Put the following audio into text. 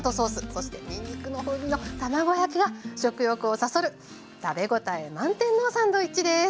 そしてにんにくの風味の卵焼きが食欲をそそる食べ応え満点のサンドイッチです。